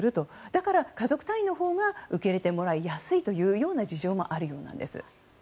だから、家族単位のほうが受け入れてもらいやすいという事情もあるようなんです。